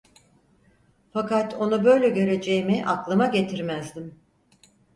Fakat onu böyle göreceğimi aklıma getirmezdim.